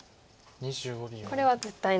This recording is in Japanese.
これは絶対の。